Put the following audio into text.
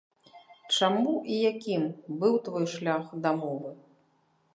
Чаму і якім быў твой шлях да мовы?